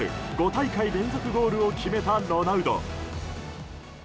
５大会連続ゴールを決めたロナウド。